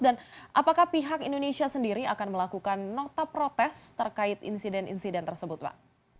dan apakah pihak indonesia sendiri akan melakukan nota protes terkait insiden insiden tersebut pak